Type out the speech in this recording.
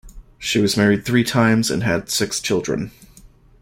She was married three times and had six children.